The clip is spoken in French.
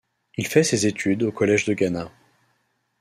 Il fait ses études au collège de Gannat.